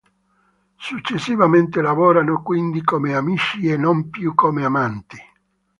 Successivamente lavorano quindi come amici e non più come amanti.